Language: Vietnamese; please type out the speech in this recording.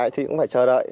thì cũng phải chờ đợi